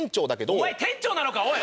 お前店長なのか⁉おい！